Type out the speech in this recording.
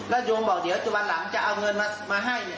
แล้วโยมบอกเดี๋ยววันหลังจะเอาเงินมาให้เนี่ย